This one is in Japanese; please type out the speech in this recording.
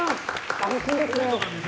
安心ですね。